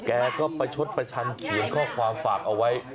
แกก็ประชดประชันเขียนข้อความฝากเอาไว้